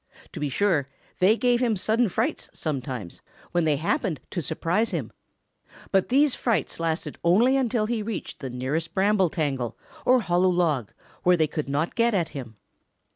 To be sure, they gave him sudden frights sometimes, when they happened to surprise him, but these frights lasted only until he reached the nearest bramble tangle or hollow log where they could not get at him.